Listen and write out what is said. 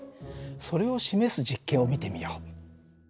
それを示す実験を見てみよう。